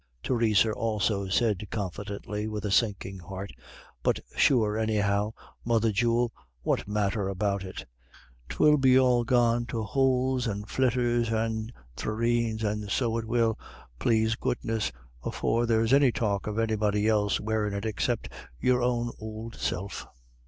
Theresa also said confidently with a sinking heart, "But sure, anyhow, mother jewel, what matter about it? 'Twill be all gone to houles and flitters and thraneens, and so it will, plase goodness, afore there's any talk of anybody else wearin' it except your own ould self."